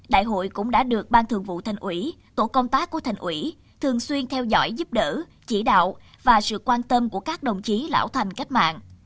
đại hội cũng đã được ban thường vụ thành ủy tổ công tác của thành ủy thường xuyên theo dõi giúp đỡ chỉ đạo và sự quan tâm của các đồng chí lão thành cách mạng